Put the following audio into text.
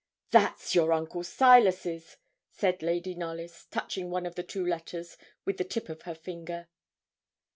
'That's your uncle Silas's,' said Lady Knollys, touching one of the two letters with the tip of her finger.